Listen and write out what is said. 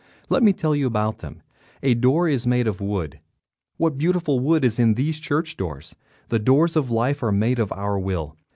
Let me tell you about them. A door is made of wood. What beautiful wood is in these church doors! The doors of life are made of our will.